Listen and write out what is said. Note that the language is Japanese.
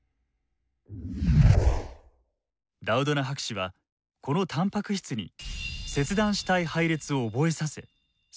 ダウドナ博士はこのたんぱく質に切断したい配列を覚えさせ細胞に注入。